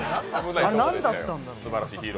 あれなんだったんだろう。